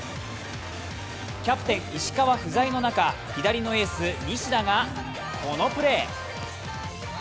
キャプテン・石川不在の中左のエース・西田がこのプレー。